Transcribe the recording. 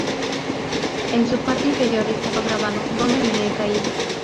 En su parte inferior estaba grabado "¿Dónde me he caído?